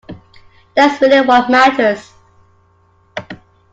That's really what matters.